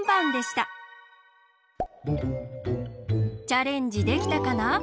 チャレンジできたかな？